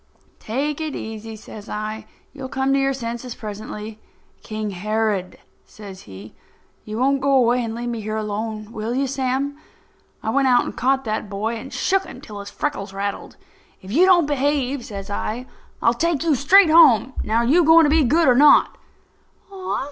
"Take it easy," says I. "You'll come to your senses presently." "King Herod," says he. "You won't go away and leave me here alone, will you, Sam?" I went out and caught that boy and shook him until his freckles rattled. "If you don't behave," says I, "I'll take you straight home. Now, are you going to be good, or not?"